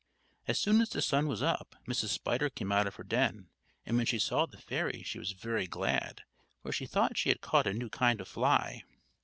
As soon as the sun was up, Mrs. Spider came out of her den; and when she saw the fairy she was very glad, for she thought she had caught a new kind of fly.